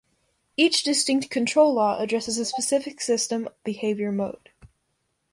Each distinct control law addresses a specific system behavior mode.